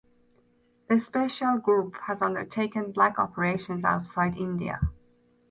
The Special Group has undertaken black operations outside India.